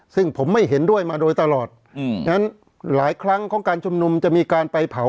ซึ่งผมไม่เห็นด้วยมาโดยตลอดฉะนั้นหลายครั้งของการชุมนุมจะมีการไปเผา